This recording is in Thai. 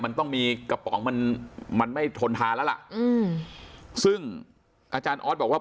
มันต้องมีกระป๋องมันมันไม่ทนทานแล้วล่ะอืมซึ่งอาจารย์ออสบอกว่า